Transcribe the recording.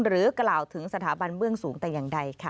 กล่าวถึงสถาบันเบื้องสูงแต่อย่างใดค่ะ